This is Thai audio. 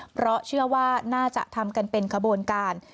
เพราะเชื่อว่าน่าจะทำกันเป็นขบวนการ